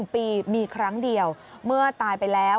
๑ปีมีครั้งเดียวเมื่อตายไปแล้ว